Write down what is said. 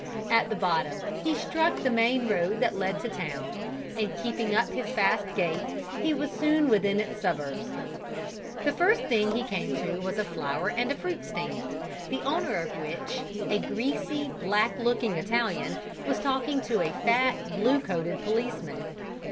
At the bottom he struck the main road that led to the town, and keeping up his fast gait he was soon within its suburbs. The first thing he came to was a flower and fruit stand, the owner of which, a greasy, black looking Italian, was talking to a fat blue coated policeman.